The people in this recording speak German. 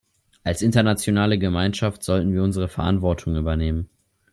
Als internationale Gemeinschaft sollten wir unsere Verantwortung übernehmen.